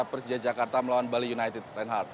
persija jakarta melawan bali united reinhardt